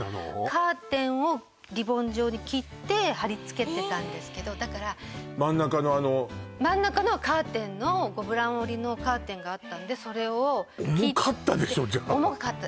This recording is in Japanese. カーテンをリボン状に切って貼りつけてたんですけどだから真ん中のあの真ん中のはカーテンのゴブラン織りのカーテンがあったんでそれを切って重かったでしょじゃあ重かった